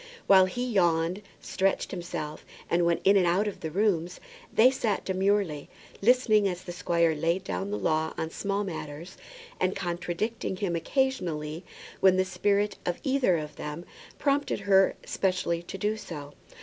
While he yawned, stretched himself, and went in and out of the room, they sat demurely, listening as the squire laid down the law on small matters, and contradicting him occasionally when the spirit of either of them prompted her specially to do so.